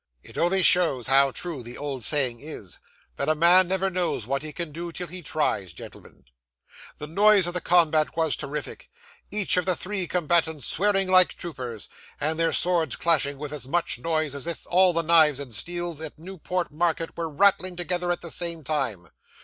It only shows how true the old saying is, that a man never knows what he can do till he tries, gentlemen. 'The noise of the combat was terrific; each of the three combatants swearing like troopers, and their swords clashing with as much noise as if all the knives and steels in Newport market were rattling together, at the same time.